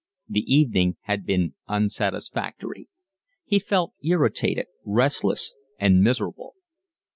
The evening had been unsatisfactory. He felt irritated, restless, and miserable.